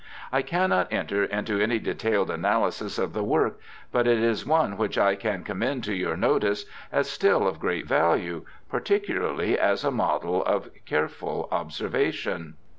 I cannot enter into any detailed analysis of the work, but it is one which I can commend to your notice as still of great value, particularly as a model of careful obser\^ation.